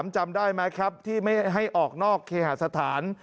จำได้ไหมครับที่ไม่ให้ออกนอกเคหาสถาน